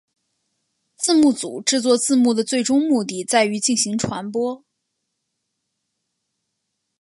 字幕组制作字幕的最终目的在于进行传播。